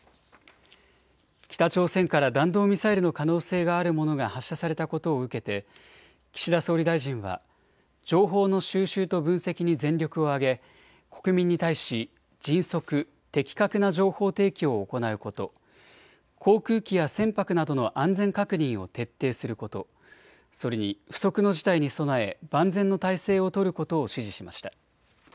北朝鮮から弾道ミサイルの可能性があるものが発射されたことを受けて岸田総理大臣は情報の収集と分析に全力を挙げ国民に対し迅速・的確な情報提供を行うこと、航空機や船舶などの安全確認を徹底すること、それに不測の事態に備え万全の態勢を取ることを指示しました。